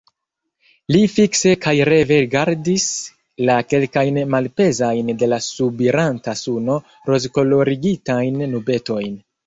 Li fikse kaj reve rigardis la kelkajn malpezajn de la subiranta suno rozkolorigitajn nubetojn.